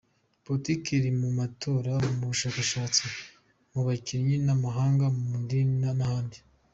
Politiki iri mu matora, mu bushabitsi, mu bubanyi n’amahanga, mu madini n’ahandi.